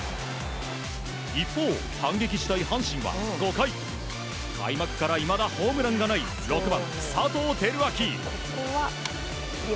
一方、反撃したい阪神は５回開幕からいまだホームランがない６番、佐藤輝明。